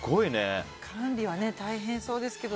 管理は大変そうですけど